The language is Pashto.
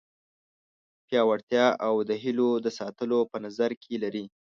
پیاوړتیا او د هیلو د ساتلو په نظر کې لري.